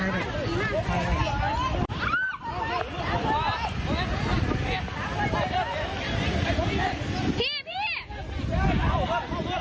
ฮะ